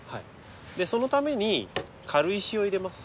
そのために軽石を入れます。